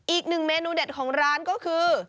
อีกหนึ่งเมนูเด็ดของร้านก็คือ